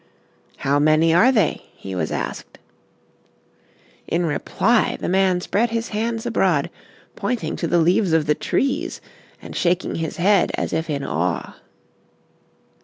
"How many are they?" he was asked. In reply the man spread his hands abroad, pointing to the leaves of the trees and shaking his head as if in awe.